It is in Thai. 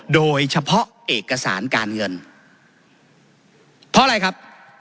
โดยเฉพาะเอกสารการเงินเพราะอะไรครับ